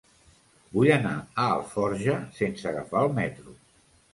Vull anar a Alforja sense agafar el metro.